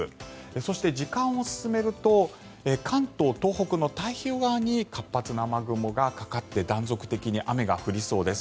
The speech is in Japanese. そして時間を進めると関東、東北の太平洋側に活発な雨雲がかかって断続的に雨が降りそうです。